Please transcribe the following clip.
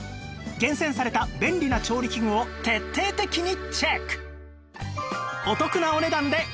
厳選された便利な調理器具を徹底的にチェック！